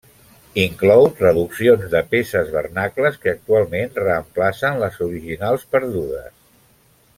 Inclou traduccions de peces vernacles que actualment reemplacen les originals perdudes.